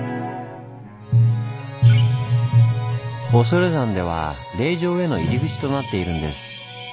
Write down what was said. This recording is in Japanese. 恐山では霊場への入り口となっているんです。